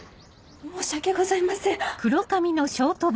申し訳ございません。